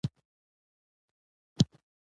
د جګړې د پای ته رسولو هڅه کوي